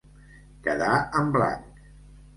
Quedar en blanc.